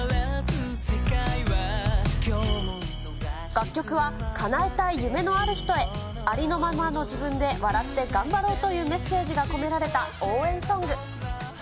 楽曲は、かなえたい夢のある人へ、ありのままの自分で笑って頑張ろう！というメッセージが込められた、応援ソング。